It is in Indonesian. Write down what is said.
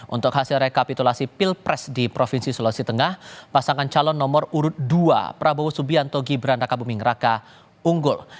untuk hasil rekapitulasi pilpres di provinsi sulawesi tengah pasangan calon nomor urut dua prabowo subianto gibran raka buming raka unggul